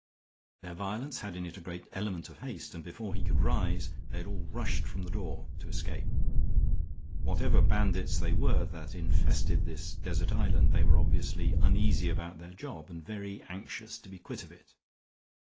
Their violence had in it a great element of haste, and before he could rise they had all rushed for the door to escape. Whatever bandits they were that infested this desert island, they were obviously uneasy about their job and very anxious to be quit of it.